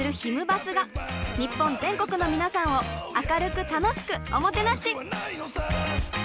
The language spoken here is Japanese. バスが日本全国のみなさんを明るく楽しくおもてなし。